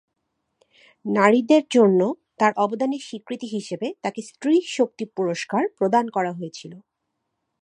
নারীদের জন্য তার অবদানের স্বীকৃতি হিসেবে তাকে স্ত্রী শক্তি পুরস্কার প্রদান করা হয়েছিল।